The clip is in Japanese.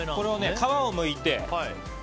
皮をむいて。